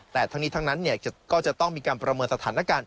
แต่ทั้งนี้ทั้งนั้นก็จะต้องมีการประเมินสถานการณ์